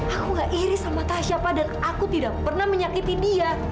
aku gak iri sama tasya pak dan aku tidak pernah menyakiti dia